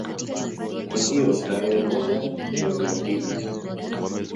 Kwa hiyo tarehe moja mwezi wa pili